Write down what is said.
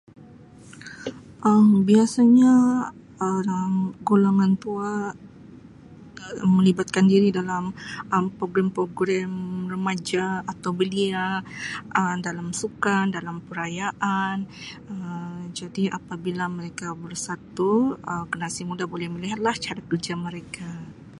Um Biasanya orang golongan tua Um melibatkan diri dalam Um program-program remaja atau belia Um dalam sukan, dalam perayaan Um jadi apabila mereka bersatu Um [unintelligible] muda boleh melihatlah cara kerja mereka.